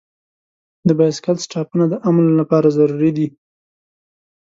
د بایسکل سټاپونه د امن لپاره ضروري دي.